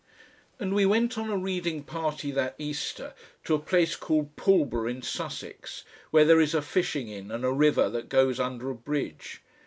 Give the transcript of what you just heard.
And we went on a reading party that Easter to a place called Pulborough in Sussex, where there is a fishing inn and a river that goes under a bridge.